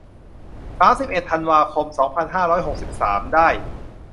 สามสิบเอ็ด ธันวาคม สองพันห้าร้อยหกสิบสาม ได้